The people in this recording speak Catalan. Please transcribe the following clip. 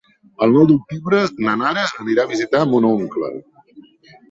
El nou d'octubre na Nara anirà a visitar mon oncle.